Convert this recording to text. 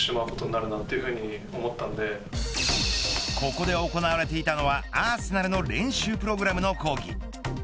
ここで行われていたのはアーセナルの練習プログラムの講義。